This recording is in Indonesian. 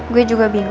gue juga bingung ra